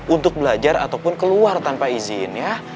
untuk belajar ataupun keluar tanpa izin ya